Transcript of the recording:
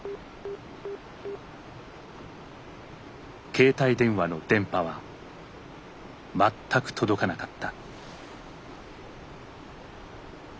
携帯電話の電波は全く届かなかった。